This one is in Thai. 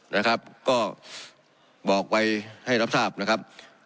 นะครับก็บอกไว้ให้รับทราบนะครับ